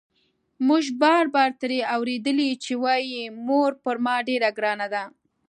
موږ بار بار ترې اورېدلي چې وايي مور پر ما ډېره ګرانه ده.